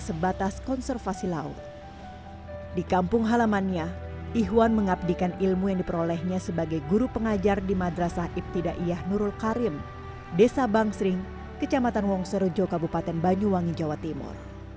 pembangunan kepala pertanian bapak ibu pertanian wangserujo kabupaten banyuwangi jawa timur